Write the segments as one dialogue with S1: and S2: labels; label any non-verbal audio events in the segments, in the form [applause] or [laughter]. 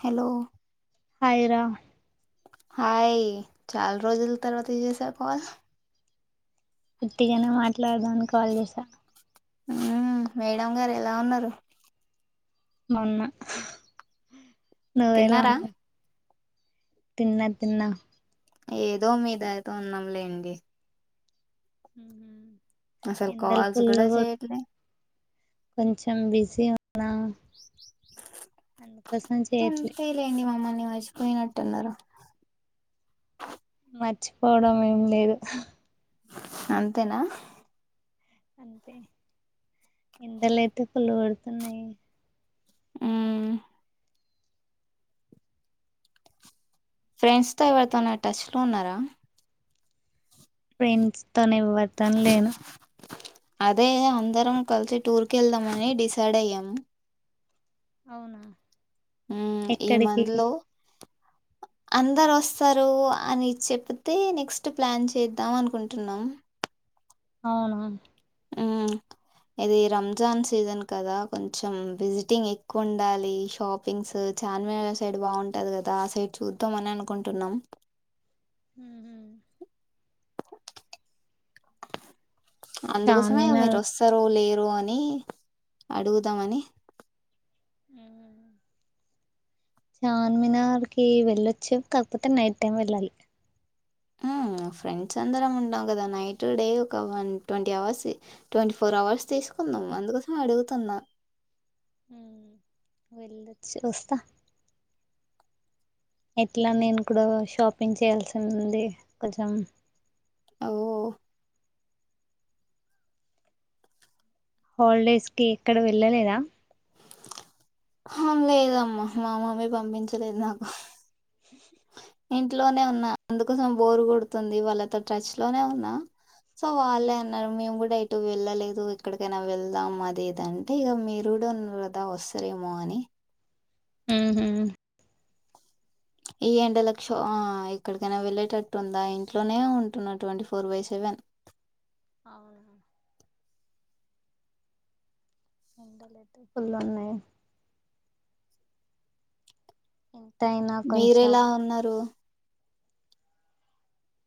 S1: Hello
S2: hi రా
S1: hi చాలా రోజుల తర్వాత చేసావ్ కాల్
S2: ఉత్తిగానే మాట్లాడదాం అని కాల్ చేసా
S1: ఆ మేడం గారు ఎలా ఉన్నారు
S2: మోన్న నువ్వేలా
S1: తిన్నారా
S2: ఉన్నావు తిన్నా తిన్నా
S1: ఏదో మీ దయ తో ఉన్నాం లేండి
S2: మ్మ్
S1: అసలు కాల్స్ కూడా చేయట్లే
S2: కొంచెం బిజీ నా అందుకోసం చేయట్లే
S1: చ్చిపోయినట్టున్నారు.
S2: మర్చిపోవడం ఏం లేదు.
S1: అంతేనా
S2: అంతే ఎండలు అయితే ఫుల్ కోడుతున్నాయి.
S1: హు ఫ్రెండ్స్ తో ఎవరితో నా టచ్ లో ఉన్నారా.
S2: ఫ్రెండ్స్ తోనే ఎవరితోను లేను.
S1: అదే అందరం కలిసి టూర్కి వెళ్దామని డిసైడ్ అయ్యాము.
S2: అవునా
S1: ఉ ఈ
S2: ఎక్కడికి
S1: మందిలో అందరు వస్తారు అని చెప్తే నెక్స్ట్ ప్లాన్ చేద్దాం అనుకుంటున్నాం.
S2: అవును
S1: ము ఇది రంజాన్ సీజన్ కదా కొంచెం విజిటింగ్ ఎక్కువ ఉండాలి. షాపింగ్స్ చార్మినార్ సైడ్ బాగుంటది కదా, ఆ సైడ్ చూద్దామ అని అనుకుంటున్నాం.
S2: హ
S1: అందుకోసమే మీరు
S2: చార్మినార్
S1: వస్తారు లేరు. అని అడుగుదామని
S2: ఆ చార్మినార్ కి వెళ్ళొచ్చు. కాకపోతే నైట్ టైం వెళ్ళాలి.
S1: అ ఫ్రెండ్స్ అందరం ఉంటాం కదా, నైట్ డే ఒక one twenty hours twenty four hours తీసుకుందాం అందుకోసం అడుగుతున్నా.
S2: వెళ్లొచ్చి వస్తా ఎట్లా నేను కూడా షాపింగ్ చేయాల్సింది కొెంచెం.
S1: ఓహ్!
S2: హాలిడేస్ కి ఎక్కడ వెళ్ళలేదా.
S1: హ లేదమ్మ మా మమ్మీ పంపించలేదు నాకు
S2: చ్ [unintelligible]
S1: ఇంట్లోనే ఉన్నా అందుకోసం బోర్ కోడుతుంది. వాళ్ళతో టచ్ లోనే ఉన్నా. సో వాళ్ళే అన్నారు మేము కూడా యి ఇటు వెళ్ళలేదు ఇక్కడికైనా వెళ్దాం అదిదంటే ఇక మీరు కూడా ఉన్నారు కదా వస్తారేమో అని
S2: ఆ హమ్
S1: ఈ ఎండ లక్ష ఆ ఇక్కడికైనా వెళ్ళేటట్టు ఉందా. ఇంట్లోనే ఉంటున్నా ట్వంటీ ఫోర్ బై సెవెన్
S2: అవును అంత లేదు ఫుల్లు ఉన్నాయి. ఓ
S1: మీర ఎలా ఉన్నారు.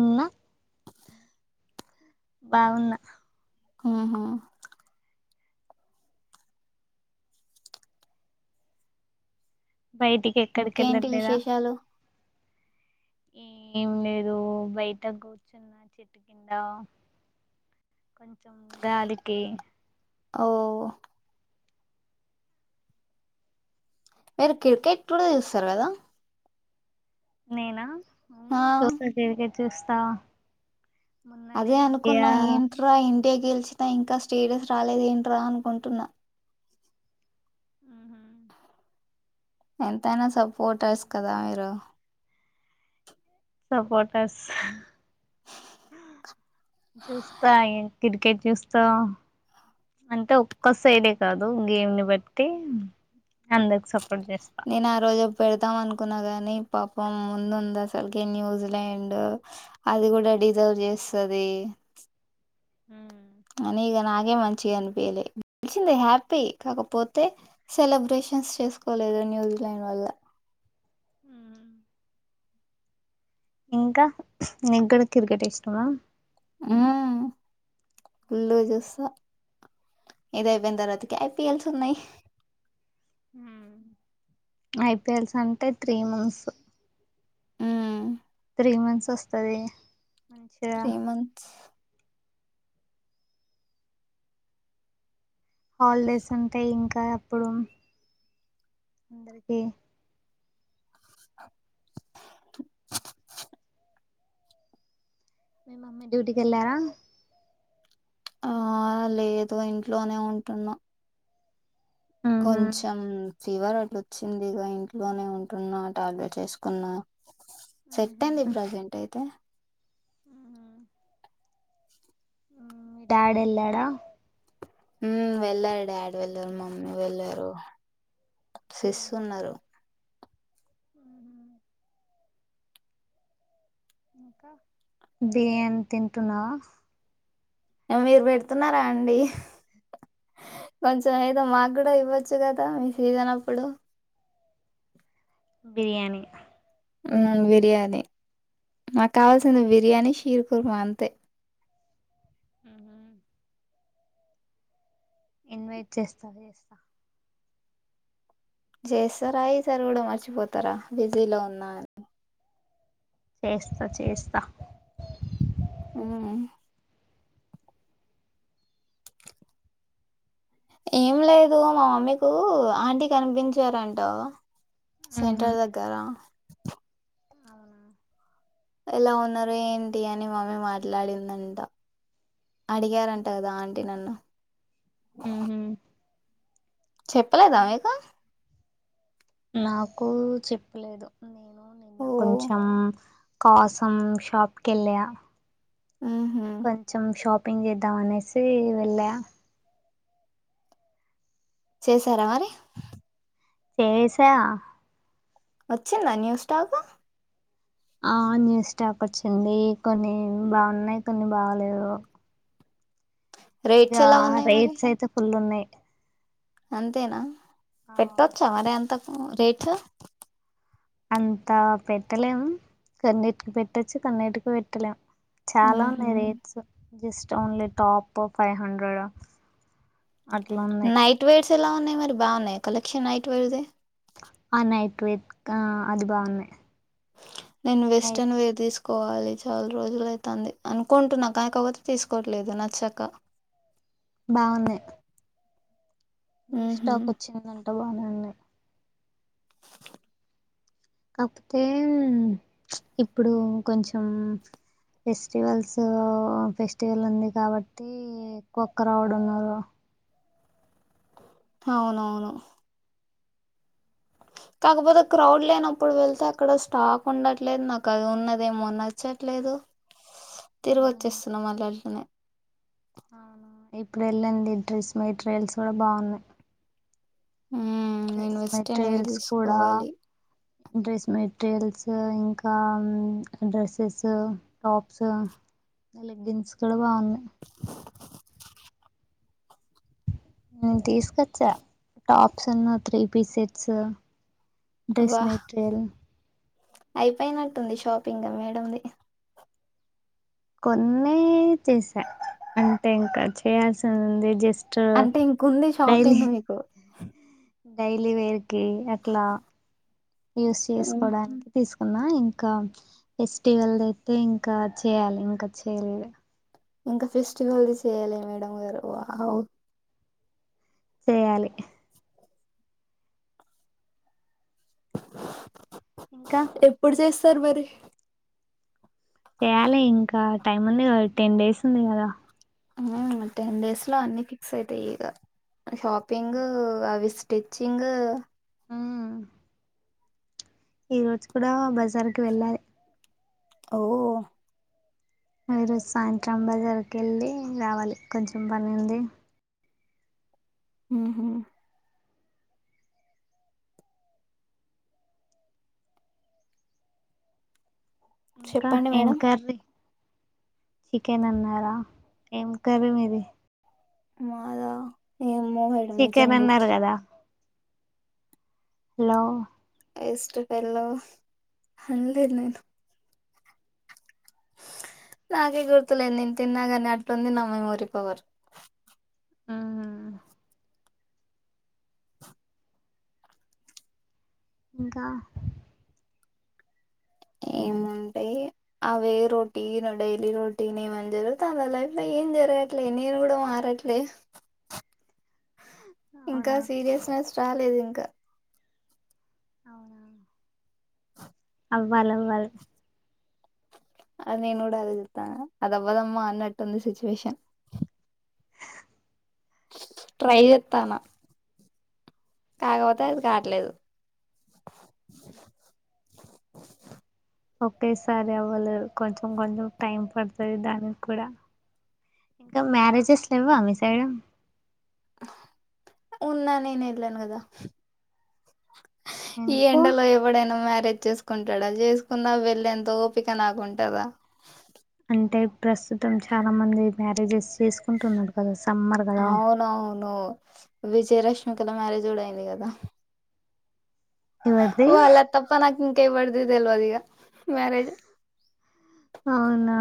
S2: ఉన్నా బాగున్నా
S1: ఆహా
S2: బయటికి ఎక్కడికి
S1: ఇంకేంటి
S2: వెళ్ళట్లేదా
S1: విశేషాలు
S2: ఏం లేదు బయట కూర్చున్న చెట్టు కింద కొంచం గాలికి
S1: ఓ వీరు క్రికెట్ కూడ చూస్తారు కదా.
S2: నేనా
S1: ఆ,
S2: అవును చూస్తా క్రికెట్ వచ్చేస్తా
S1: అదే అనుకున్నా ఏంట్రా ఇన్ డియా గెలిచినా ఇంకా స్టేటస్ రాలేద ఏంట్రా అనుకుంటున్నా ఎంతైనా సపోర్టర్స్ కదా మీరు
S2: సపోర్టర్స్ చూస్తా కిరికెట్టు చూస్తా అంటే ఒక్క సైడే కాదు గేమ్ని బట్టి అందరికి సపోర్
S1: నేను ఆ రోజు పెడ వద్దాం అనుకున్నా గాని పాపం ముందు ఉంది అసలు కే న్యూజిలాండ్ అది కూడా డిజర్వ్ చేస్తది అని ఇగ నాక్ ఏం మంచిగా అనిపియలే తెలిసింది హ్యాపీ కాకపోతే సెలబ్రేషన్స్ చేసుకోలేదు న్యూజిలాండ్ వల్ల
S2: ఇంకా నీకూడా కకిరికెట్టు ఇష్టమా
S1: మ్మ్ ఫుల్లు చూస్తా ఇదయిపోయిన తర్వాతకి ఐ పీ ఎల్స్ ఉన్నాయి
S2: ఐ పీ ఎల్స్ అంటే త్రీ మంత్స్
S1: మ్మ్
S2: త్రీ మంత్స్ వస్తది మంచిగా
S1: త్రీ మంత్స్
S2: హాలిడేస్ ఉంటాయి ఇంకా అప్పుడు అందరికి మీ మమ్మీ డ్యూటీకి వెళ్ళారా
S1: ఆ లేదు ఇంట్లోనే ఉంటున్నా
S2: ఉహు
S1: కొంచెం ఫీవర్ అట్లా వచ్చింది ఇగ ఇంట్లోనే ఉంటున్నా టాబ్లెట్ వేసుకున్నా సెట్ అయింది ప్రెజెంట్ అయితే
S2: హ్మ్ మ్మ్ మీ డాడీ వెళ్ళాడా
S1: మ్మ్ వెళ్ళారు డాడీ వెళ్ళారు మమ్మీ వెళ్ళరు సెస్ ఉన్నారు
S2: హ్మ్ బిర్యానీ తింటున్నావ
S1: ఆ మీరు పెడుతున్నారా అండి కొంచెం ఏదో మాకు ఇవ్వచ్చు కదా మీ సీజన్ అప్పుడు
S2: బిర్యానీ
S1: హ్మ్ బిర్యానీ నాకు కావాల్సింది బిర్యానీ శీర్ కుర్మ అంతే
S2: హ్మ్ హు ఇన్వైట్ చేస్తావా చేస్తా
S1: చేస్తారా ఈ సారు కూడా మర్చిపోతారా బిజీలో ఉన్న అని
S2: చేస్తా చేస్తా
S1: హ్మ్ ఏం లేదు మా మమ్మీకు ఆంటీ కనిపించారంట సెంటర్ దగ్గరా
S2: అవునా
S1: ఎలా ఉన్నారో ఏంటి అని మమ్మీ మాట్లాడిందంట అడిగారంట కదా ఆంటీ నన్ను చెప్పలేదా మీకు
S2: నాకు చెప్పీలేదు నిన్న
S1: ఓ
S2: కొంచెం కాసం షాప్ కెళ్ళియా
S1: ఊహు
S2: కొంచెం షాప్ పి చేేద్దా అనేసి వెళ్ళ
S1: చేసారా మరి
S2: చేేసా
S1: వచ్చిందా న్యూ స్టాక్
S2: ఆ న్యూ స్టాక్ వచ్చింది కొన్ని బాగున్నాయి కొన్ని బాగలేవు
S1: రేట్స్
S2: ఇగా
S1: ఎలా ఉన్నాయి మరి
S2: రైట్స్ అయితే ఫుల్ ఉన్నాయి
S1: అంతేనా పెట్టొచ్చా మరి అంత రేట్స్
S2: అంతా పెట్టలేము కొన్నీటికి పెట్టొచ్చు కన్నీటికి పెట్టలేము చాలా
S1: ఊహు
S2: ఉన్నాయి rates just only top five hundred అట్లా ఉన్నాయి
S1: నైట్ వెర్స్ ఎలా ఉన్నయి మరి బాగున్నా కలక్షన్ నైట్ వేరేది
S2: ఆ నైట్ వేర్ ఆ అది బాగున్నాయి
S1: నేను
S2: నైట్
S1: వెస్టర్న్ వేర్ తీసుకు కోవాలి చాలా రోజులు అయితంది అనుకుంటున్నా కాకపోతే తీసుకోవట్లేదు నచ్చాక
S2: బాగుంది న్యూ
S1: ఊహు
S2: స్టాక్ వచ్చిన అన్ని బానే ఉన్నాయి కాకపోతే ఇప్పుడు కొంచెం ఫెస్టివల్స్ ఫెస్టివల్ ఉంది కాబట్టి ఎకువ క్రోడ్ ఉన్నారు
S1: అవునవును కాకపోతే క్రౌడ్ లేనప్పుడు వెళ్తే అక్కడ స్టాక్ ఉండట్లేదు నాకు అది ఉన్నదేమో నచ్చట్లేదు తిరిగి
S2: అవును
S1: వచ్చేస్తున్నాం మళ్లట్లనే
S2: అవునా ఇప్పుడు వెళ్ళండి డ్రెస్ మెటీరియల్స్ కూడా బాగున్నాయి
S1: మ్మ్ నేను
S2: డ్రెస్
S1: వెస్ట్రన్ వేర్
S2: మెటీరియల్స్ కూడా
S1: తీసుకోవాలి
S2: డ్రెస్ మెటీరియల్స్ ఇంకా డ్రెస్సెస్ టాప్స్ లెగ్గిన్స్ కూడా బాగున్నాయి నిను తీసుకొచ్చా టాప్స్ ఉన్ను త్రీ పీసెట్స్ డ్రెస్
S1: వా
S2: మెటరియల్
S1: అయిపోయినట్టుంది షాపింగ్ మేడంది
S2: కొన్నే చేసా అంటే ఇంకా చేయాల్సింది ఉండి జస్ట్
S1: అంటే ఇంకుంది షాపింగ్ మీకు
S2: డైలీవేరికి అట్లా యూస్
S1: మ్మ్.
S2: చేసుకోవడానికి తీసుకున్నా ఇంకా ఇంకా ఫెస్టివల్ అయితే ఇంకా చేయాలి ఇంకా చేయలేదు.
S1: ఇంకా ఫెస్టివల్ది చేయాలి మేడం గారు వావ్
S2: చేయాలి ఇంకా
S1: ఎప్పుడు చేస్త సర్వరి
S2: చేయాలి ఇంకా టైమ్ ఉంది కదా. టెన్ డేస్ ఉంది కదా.
S1: టెన్ డేస్ లో అన్ని ఫిక్స్ అయితాయి. ఇక షాపింగ్ అవి స్టిచ్చింగ్
S2: ఈ రోజు కూడా బజార్కి వెళ్ళాలి.
S1: ఓ
S2: ఈరోజు సాయంత్రం బజారికి వెళ్ళి రావాలి. కొంచెం పని ఉంది.
S1: ఉ హు
S2: ఇంకా
S1: చెప్పండి
S2: ఏం
S1: మేడం
S2: కర్రి చికెన్ అన్నారా ఏం కర్రి మీది
S1: మాదా ఏమో మేడం నిజం
S2: చికెన్ అన్నారు
S1: గుర్తు
S2: కదా. హలో
S1: ఎష్ట పెల్లో అల్లే నేను నాకే గుర్తులే నేను తిన్నా కాని అట్లుంది నమ్మే ముఊరిపోవరు.
S2: ఆ ఇంకా
S1: ఏముంటాయి అవే రోటీన్ డైలీ రోటీన్ ఏమని జరుగుత అందు లైఫ్ లో ఏం జరగట్లేదు నేను కూడా మారట్లేదు. ఇంకా
S2: అవునా
S1: సీరియస్నెస్ రాలేదు ఇంకా
S2: అవునా అవ్వాల్ అవ్వాలి.
S1: అదిను కూడా అజతాను అద అవ్వదమ్మా అన్నటుంది సిచువేషన్. ట్రైచేత్తన కాకపోతే అది కావట్లేదు.
S2: ఒకేసారి అవ్వలేవు కొంచెం కొంచెం టైం పడుతుంది. దానికి కూడా ఇంకా మ్యారేజెస్ లేవా మీ సైడు.
S1: ఉన్నా నేను వేళ్లను కదా. ఈ
S2: ఎందుకు
S1: ఎండలో ఎవడైనా మ్యారేజ్ చేసుకుంటాడా చేసుకున్నా వెళ్ళ ఎంత ఓపిక నాకుంటదా.
S2: అంటే ప్రస్తుతం చాలా మంది మ్యారేజెస్ చేసుకుంటున్నాడు కదా సార్.
S1: అవునవును విజయ్ రేష్మికల మ్యారేజ్ కూడా అయింది కదా.
S2: ఎవరిది
S1: ఓ అలా తప్ప నాకింకా ఏంవ్వడు ది తెల్వదిగా
S2: అవునా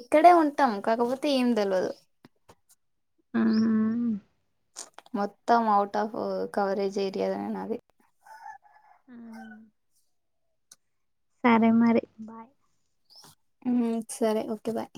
S1: ఇక్కడే ఉంటాం కాకపోతే ఏం తెలవదు
S2: మ్
S1: మొత్తం ఔట్ ఆఫ్ కవరేజ్ ఏరియాదనే నాది
S2: మ్ సరే మరి బాయ్
S1: మ్ సరే ఓకే బాయ్